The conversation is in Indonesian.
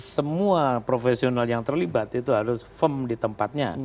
semua profesional yang terlibat itu harus firm di tempatnya